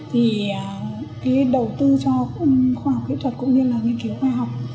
thì cái đầu tư cho khoa học kỹ thuật cũng như là nghiên cứu khoa học